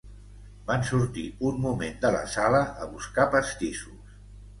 Van sortir un moment de la sala a buscar pastissos.